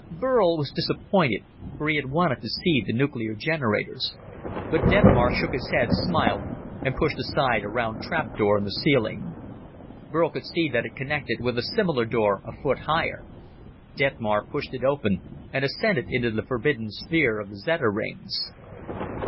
Burl was disappointed, for he had wanted to see the nuclear generators. But Detmar shook his head, smiled, and pushed aside a round trap door in the ceiling. Burl could see that it connected with a similar door a foot higher. Detmar pushed it open and ascended into the forbidden sphere of the Zeta rings.